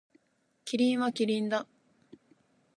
キリンはキリンだ。